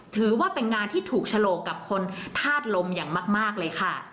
ถือว่าเป็นงานที่ถูกฉลกกับคนธาตุลมอย่างมากเลยค่ะ